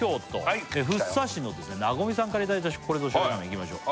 続いてはからいただいたこれぞ醤油ラーメンいきましょう